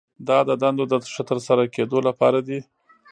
دا د دندو د ښه ترسره کیدو لپاره دي.